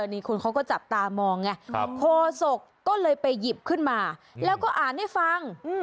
นี่คุณเขาก็จับตามองไงโคศกก็เลยไปหยิบขึ้นมาแล้วก็อ่านให้ฟัง